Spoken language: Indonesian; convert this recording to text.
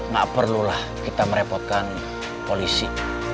gak perlulah kita merepotkan polisi